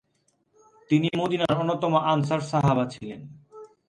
তিনি মদীনার অন্যতম আনসার সাহাবা ছিলেন।